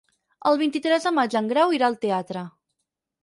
El vint-i-tres de maig en Grau irà al teatre.